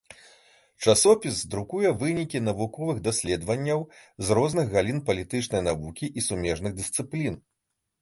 Часопіс друкуе вынікі навуковых даследаванняў з розных галін палітычнай навукі і сумежных дысцыплін.